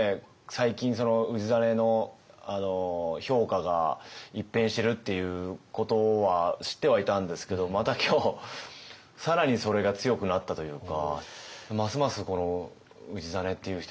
最近氏真の評価が一変してるっていうことは知ってはいたんですけどまた今日更にそれが強くなったというか。